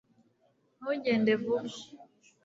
ntugende vuba